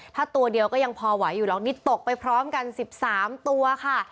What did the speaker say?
ถ้าตัวเดียวก็ยังพอไหวอยู่หรอกนี่ตกไปพร้อมกัน๑๓ตัวค่ะ